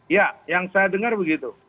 ya yang saya dengar begitu